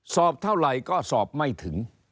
สอบเท่าไหร่ก็สอบไม่ถึง